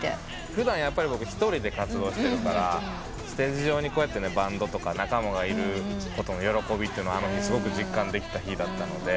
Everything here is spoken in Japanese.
普段やっぱり僕一人で活動してるからステージ上にバンドとか仲間がいることの喜びをすごく実感できた日だったので。